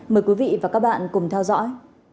mời quý vị và các bạn cùng theo dõi